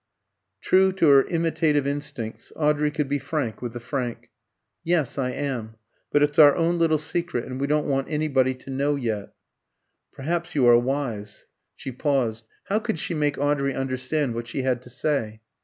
True to her imitative instincts, Audrey could be frank with the frank. "Yes, I am. But it's our own little secret, and we don't want anybody to know yet." "Perhaps you are wise." She paused. How could she make Audrey understand what she had to say?